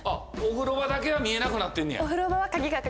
お風呂場だけは見えなくなってんねや？